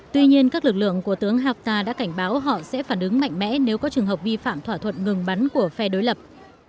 tuy nhiên các lực lượng của tướng haftar đã cảnh báo họ sẽ phản ứng mạnh mẽ nếu có trường hợp vi phạm thỏa thuận ngừng bắn của phe đối lập